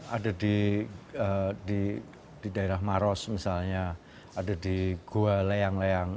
ada di daerah maros misalnya ada di gua leang leang